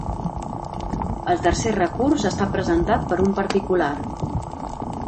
El tercer recurs ha estat presentat per un particular.